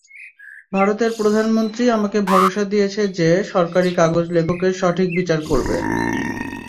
ভারতের প্রধানমন্ত্রী আমাকে ভরসা দিয়েছে যে সরকারি কাগজ লেখকের সঠিক বিচার করবে।